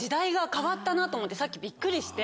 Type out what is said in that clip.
なと思ってさっきびっくりして。